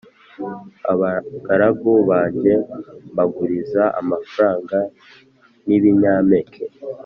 Abagaragu banjye mbaguriza amafaranga n’ibinyampeke